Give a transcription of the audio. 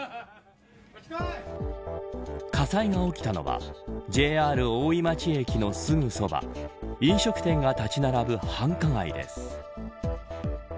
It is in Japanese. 火災が起きたのはＪＲ大井町駅のすぐそば飲食店が立ち並ぶ繁華街です。